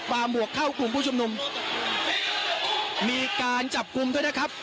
หมวกเข้ากลุ่มผู้ชุมนุมมีการจับกลุ่มด้วยนะครับ